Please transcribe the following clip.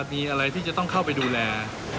มีอะไรที่จะต้องเข้าไปดูแล